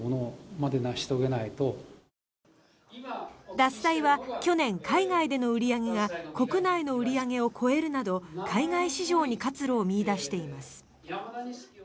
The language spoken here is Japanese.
獺祭は去年海外での売り上げが国内の売り上げを超えるなど海外市場に活路を見いだしています。